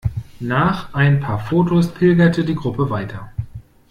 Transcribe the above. Nach ein paar Fotos pilgerte die Gruppe weiter.